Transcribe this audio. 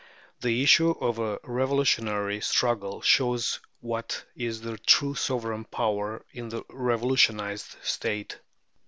The issue of a revolutionary struggle shows what is the true sovereign power in the revolutionized state.